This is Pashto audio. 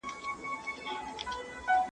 ¬ چي نې غواړم مې راوينې.